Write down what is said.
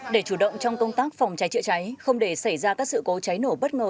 để chủ động trong công tác phòng cháy chữa cháy không để xảy ra các sự cố cháy nổ bất ngờ